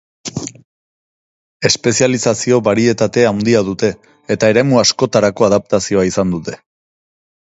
Espezializazio barietate handia dute, eta eremu askotarako adaptazioa izan dute.